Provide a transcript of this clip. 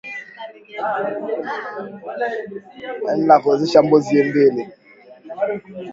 Banaenda kuuzisha mbuzi mbili